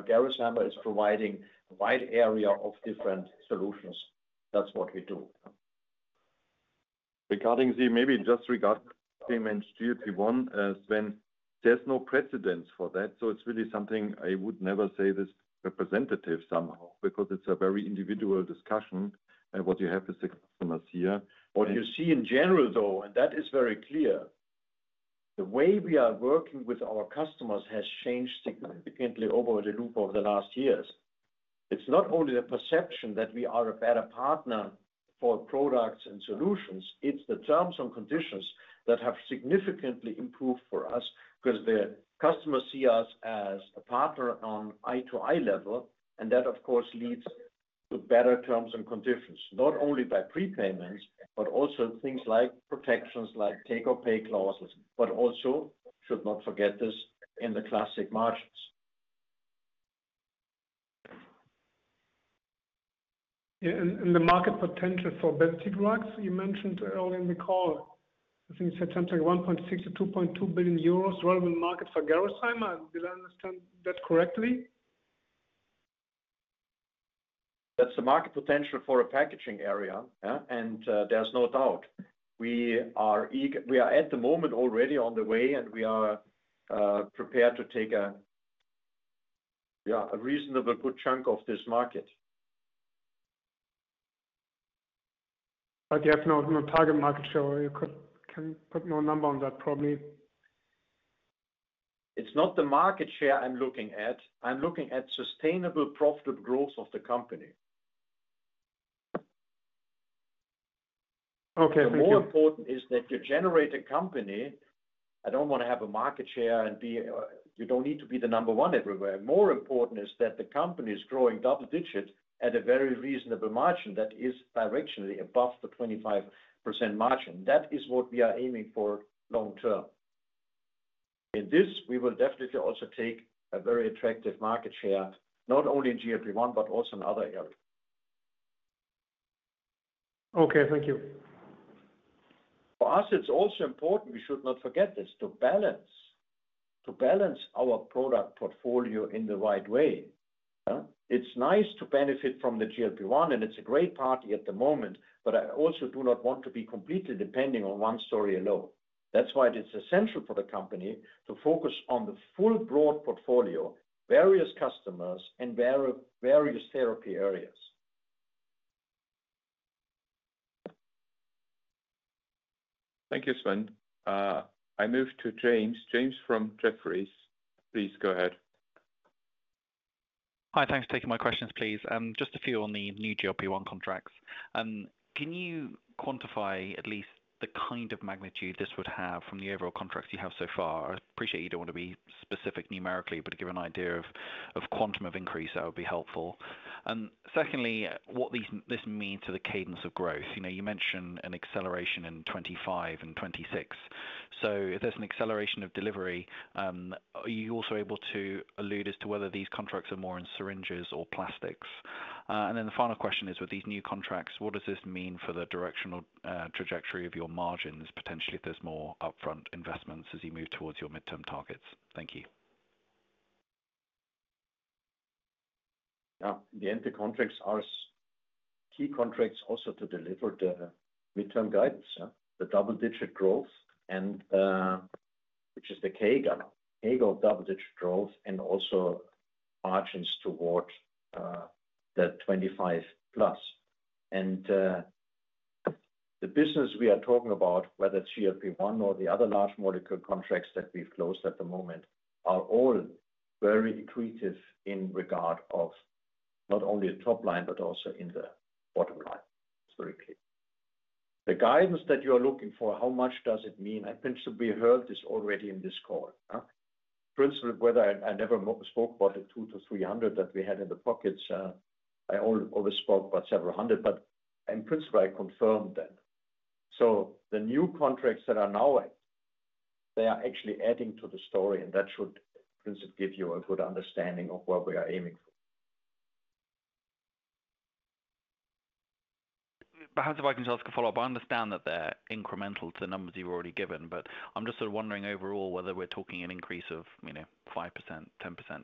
Gerresheimer is providing a wide area of different solutions. That's what we do. Regarding the GLP-1, maybe just regarding GLP-1, Sven, there's no precedent for that, so it's really something I would never say is representative somehow, because it's a very individual discussion and what you have with the customers here. What you see in general, though, and that is very clear. The way we are working with our customers has changed significantly over the loop of the last years. It's not only the perception that we are a better partner for products and solutions, it's the terms and conditions that have significantly improved for us, because the customers see us as a partner on eye to eye level, and that, of course, leads to better terms and conditions, not only by prepayments, but also things like protections, like take or pay clauses, but also should not forget this in the classic margins. Yeah, and, and the market potential for basic drugs, you mentioned earlier in the call, I think you said something like 1.6 billion-2.2 billion euros relevant market for Gerresheimer. Did I understand that correctly? That's the market potential for a packaging area, and there's no doubt. We are at the moment already on the way, and we are prepared to take a, yeah, a reasonably good chunk of this market. But you have no target market share, or you can put no number on that, probably. It's not the market share I'm looking at. I'm looking at sustainable profitable growth of the company. Okay, thank you. More important is that you generate a company. I don't want to have a market share and be you don't need to be the number one everywhere. More important is that the company is growing double-digit at a very reasonable margin that is directionally above the 25% margin. That is what we are aiming for long-term. In this, we will definitely also take a very attractive market share, not only in GLP-1, but also in other areas. Okay, thank you. For us, it's also important, we should not forget this, to balance our product portfolio in the right way. It's nice to benefit from the GLP-1, and it's a great party at the moment, but I also do not want to be completely depending on one story alone. That's why it is essential for the company to focus on the full, broad portfolio, various customers, and various therapy areas. Thank you, Sven. I move to James. James from Jefferies. Please, go ahead. Hi, thanks for taking my questions, please. Just a few on the new GLP-1 contracts. Can you quantify at least the kind of magnitude this would have from the overall contracts you have so far? I appreciate you don't want to be specific numerically, but to give an idea of quantum of increase, that would be helpful. And secondly, what this means to the cadence of growth. You know, you mentioned an acceleration in 2025 and 2026. So if there's an acceleration of delivery, are you also able to allude as to whether these contracts are more in syringes or plastics? And then the final question is, with these new contracts, what does this mean for the directional trajectory of your margins, potentially, if there's more upfront investments as you move towards your midterm targets? Thank you. Now, in the end, the contracts are key contracts also to deliver the midterm guidance, the double-digit growth and, which is the CAGR. CAGR of double-digit growth and also margins towards the 25%+. And, the business we are talking about, whether GLP-1 or the other large molecule contracts that we've closed at the moment, are all very accretive in regard of not only the top line, but also in the bottom line. It's very clear. The guidance that you are looking for, how much does it mean? I think so we heard this already in this call. In principle, whether I never spoke about the 200 million-300 million that we had in the pockets, I only always spoke about several hundred, but in principle, I confirmed that. The new contracts that are now in, they are actually adding to the story, and that should in principle give you a good understanding of what we are aiming for. Perhaps, if I can just ask a follow-up. I understand that they're incremental to the numbers you've already given, but I'm just sort of wondering overall whether we're talking an increase of, you know, 5%, 10%,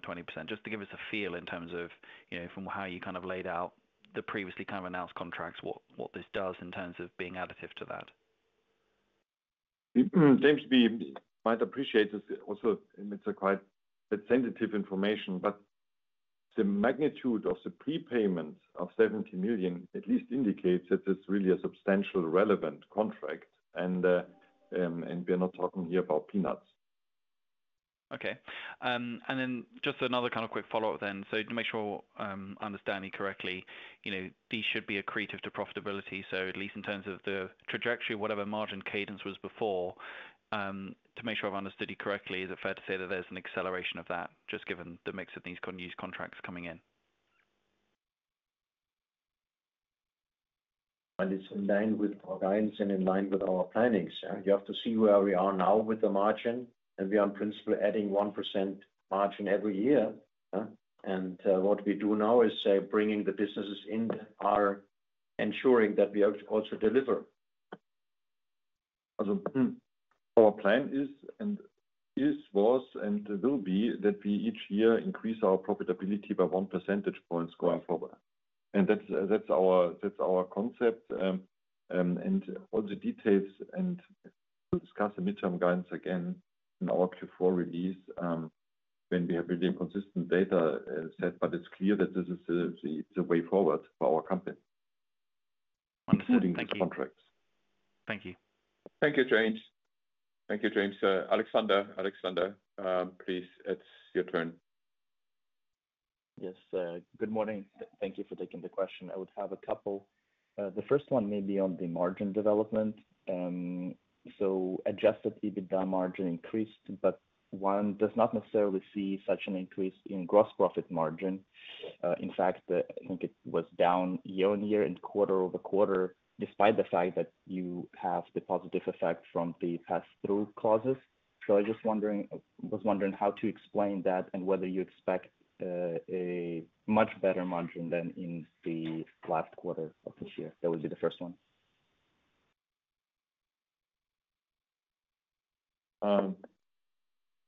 20%, just to give us a feel in terms of, you know, from how you kind of laid out the previously kind of announced contracts, what, what this does in terms of being additive to that. James, we might appreciate this also, and it's a quite a sensitive information, but the magnitude of the prepayment of 70 million at least indicates that it's really a substantial, relevant contract, and, and we are not talking here about peanuts. Okay, and then just another kind of quick follow-up then. So to make sure, I'm understanding correctly, you know, these should be accretive to profitability. So at least in terms of the trajectory, whatever margin cadence was before, to make sure I've understood you correctly, is it fair to say that there's an acceleration of that, just given the mix of these new contracts coming in? It's in line with our guidance and in line with our plannings. You have to see where we are now with the margin, and we are in principle adding 1% margin every year, what we do now is say bringing the businesses in are ensuring that we also deliver. Our plan is and is, was, and will be that we each year increase our profitability by 1 percentage point going forward. And that's, that's our, that's our concept, all the details, and to discuss the midterm guidance again in our Q4 release, when we have really consistent data set, but it's clear that this is the, the way forward for our company including the contracts. Thank you. Thank you, James. Thank you, James. Alexander, Alexander, please, it's your turn. Yes, good morning. Thank you for taking the question. I would have a couple. The first one may be on the margin development. So Adjusted EBITDA margin increased, but one does not necessarily see such an increase in gross profit margin. In fact, I think it was down year-over-year and quarter-over-quarter, despite the fact that you have the positive effect from the pass-through clauses. So I was wondering how to explain that and whether you expect a much better margin than in the last quarter of this year. That would be the first one.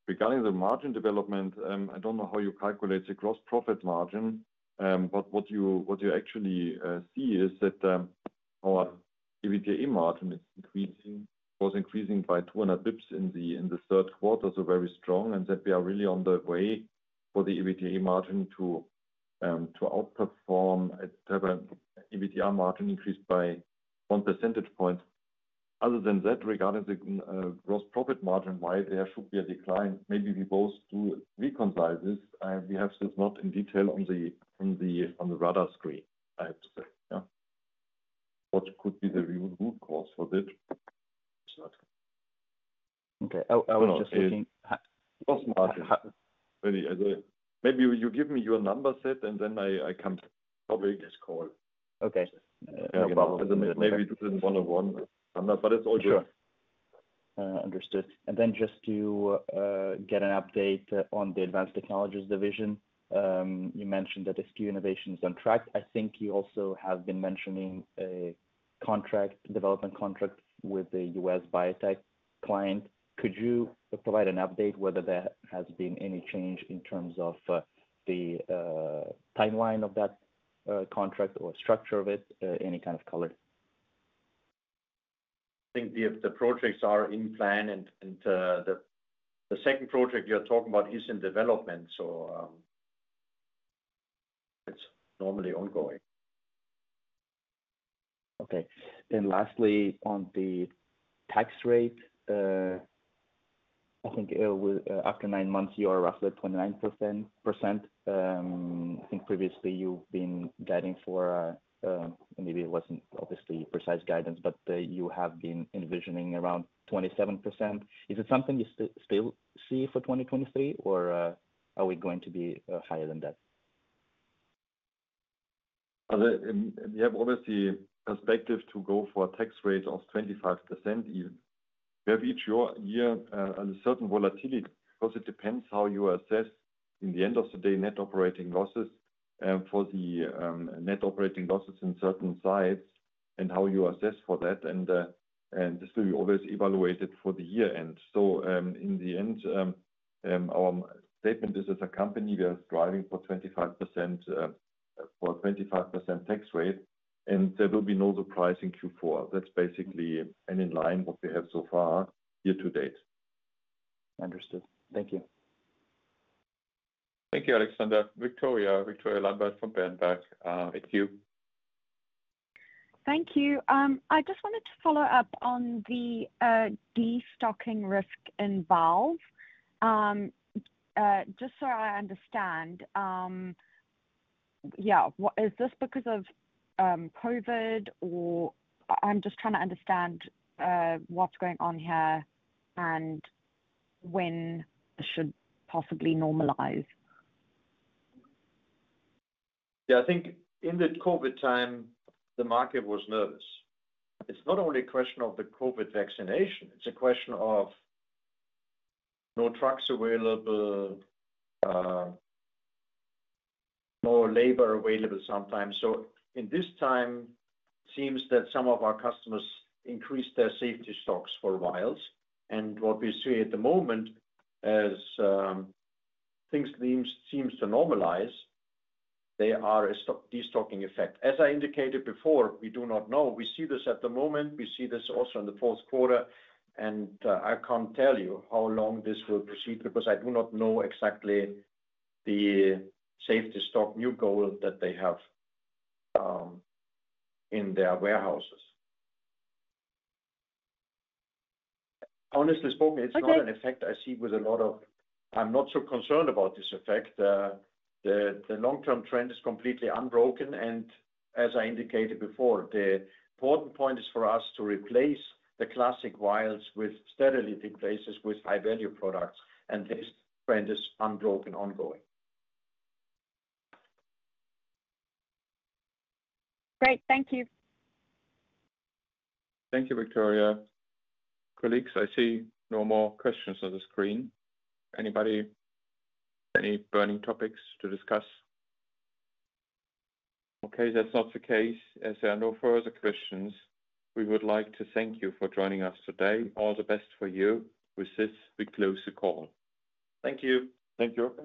Regarding the margin development, I don't know how you calculate the gross profit margin, but what you, what you actually see is that, our EBITDA margin is increasing—was increasing by 200 basis points in the third quarter, so very strong, and that we are really on the way for the EBITDA margin to, to outperform at EBITDA margin increased by one percentage point. Other than that, regarding the gross profit margin, why there should be a decline? Maybe we both do reconcile this. We have since not in detail on the radar screen, I have to say, yeah. What could be the root cause for this? Okay. I was just thinking- Gross margin. Maybe you give me your number set, and then I can probably just call. Okay. Maybe this is one-on-one, but it's all good. Sure. Understood. And then just to get an update on the Advanced Technologies division. You mentioned that a few innovations on track. I think you also have been mentioning a contract, development contract with the U.S. biotech client. Could you provide an update whether there has been any change in terms of the timeline of that contract or structure of it, any kind of color? I think the projects are in plan and the second project you're talking about is in development, so it's normally ongoing. Okay. Then lastly, on the tax rate, I think, after nine months, you are roughly at 29%, percent. I think previously you've been guiding for, maybe it wasn't obviously precise guidance, but, you have been envisioning around 27%. Is it something you still see for 2023, or, are we going to be, higher than that? We have obviously perspective to go for a tax rate of 25% even. We have each year a certain volatility because it depends how you assess in the end of the day, net operating losses, for the net operating losses in certain sides and how you assess for that, and this will be always evaluated for the year end. So, in the end, our statement is as a company, we are striving for 25%, for a 25% tax rate, and there will be no other price in Q4. That's basically and in line what we have so far year to date. Understood. Thank you. Thank you, Alexander. Victoria. Victoria Lambert from Berenberg, it's you. Thank you. I just wanted to follow up on the destocking risk involved. Just so I understand, yeah, is this because of COVID, or I'm just trying to understand what's going on here and when it should possibly normalize. Yeah, I think in the COVID time, the market was nervous. It's not only a question of the COVID vaccination, it's a question of no trucks available, no labor available sometimes. So in this time, seems that some of our customers increased their safety stocks for vials. And what we see at the moment, as things seems to normalize, they are a destocking effect. As I indicated before, we do not know. We see this at the moment, we see this also in the fourth quarter, and I can't tell you how long this will proceed because I do not know exactly the safety stock new goal that they have in their warehouses. Honestly spoken- Okay. It's not an effect I see with a lot of... I'm not so concerned about this effect. The long-term trend is completely unbroken, and as I indicated before, the important point is for us to replace the classic vials with sterile glass, with high-value products, and this trend is unbroken, ongoing. Great. Thank you. Thank you, Victoria. Colleagues, I see no more questions on the screen. Anybody, any burning topics to discuss? Okay, that's not the case. As there are no further questions, we would like to thank you for joining us today. All the best for you. With this, we close the call. Thank you. Thank you.